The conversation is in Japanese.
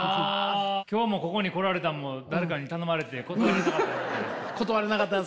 今日もここに来られたのも誰かに頼まれて断れなかった？